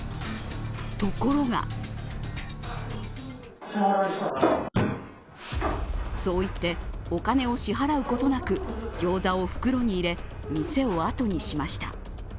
ところがそう言ってお金を支払うことなく、ギョーザを袋に入れ、店を後にしました。